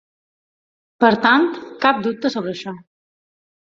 Per tant, cap dubte sobre això.